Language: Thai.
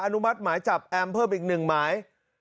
นุมัติหมายจับแอมเพิ่มอีก๑หมาย